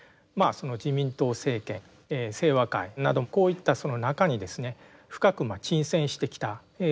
自民党政権清和会などこういったその中にですね深く沈潜してきたわけなんですね。